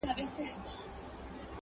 هم په ښار کي هم په کلي کي منلی!!